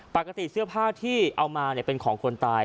ปกติเสื้อผ้าที่เอามาเป็นของคนตาย